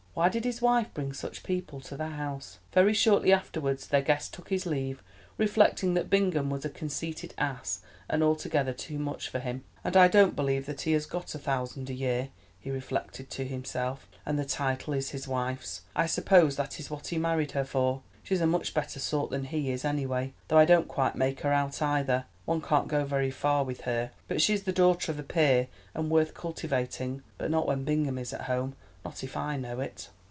Why did his wife bring such people to the house? Very shortly afterwards their guest took his leave, reflecting that Bingham was a conceited ass, and altogether too much for him. "And I don't believe that he has got a thousand a year," he reflected to himself, "and the title is his wife's. I suppose that is what he married her for. She's a much better sort than he is, any way, though I don't quite make her out either—one can't go very far with her. But she is the daughter of a peer and worth cultivating, but not when Bingham is at home—not if I know it."